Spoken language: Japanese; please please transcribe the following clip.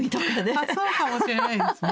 あっそうかもしれないですね。